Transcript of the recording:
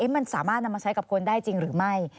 มันสามารถนำมาใช้กับคนได้จริงหรือไม่